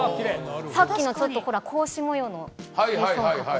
さっきのちょっとほら格子模様の成巽閣の。